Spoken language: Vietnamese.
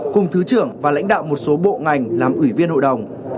cùng thứ trưởng và lãnh đạo một số bộ ngành làm ủy viên hội đồng